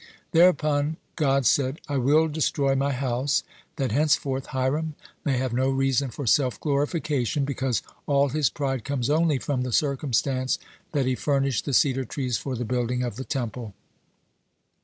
Thereupon God said: "I will destroy My house, that henceforth Hiram may have no reason for self glorification, because all his pride comes only from the circumstance that he furnished the cedar trees for the building of the Temple."